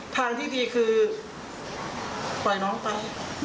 ทางที่ดีคือปล่อยน้องไป